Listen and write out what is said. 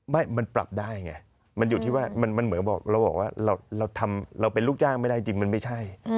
ไม่มันปรับได้ไงมันอยู่ที่ว่ามันเหมือนบอกเราบอกว่าเราเป็นลูกจ้างไม่ได้จริงมันไม่ใช่